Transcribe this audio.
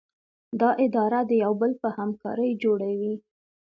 دا اداره د یو بل په همکارۍ جوړه وي.